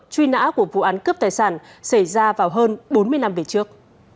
truy nã của vụ án cướp tài sản xảy ra vào hơn bốn mươi năm về trước